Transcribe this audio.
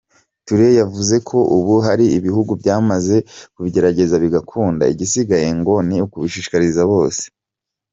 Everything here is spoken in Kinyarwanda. Touré yavuze ko ubu hari ibihugu byamaze kubigerageza bigakunda, igisigaye ngo ni ukubishishikariza bose.